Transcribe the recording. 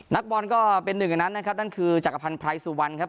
นักบอลก็เป็นหนึ่งในนั้นนะครับนั่นคือจักรพันธ์ไพรสุวรรณครับ